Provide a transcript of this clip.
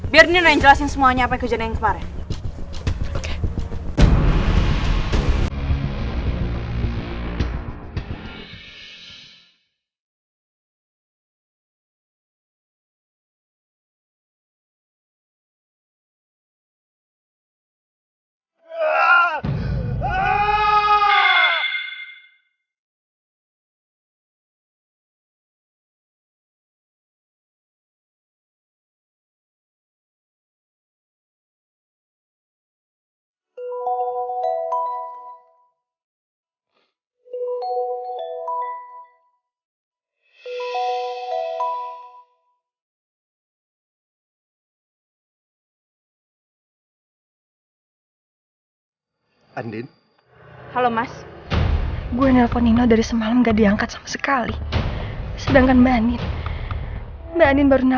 biar nino yang jelasin semuanya apa yang kejadian yang kemarin